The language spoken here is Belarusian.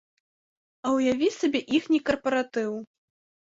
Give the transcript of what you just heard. А ўяві сабе іхні карпаратыў?